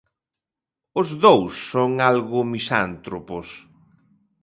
Os dous son algo misántropos.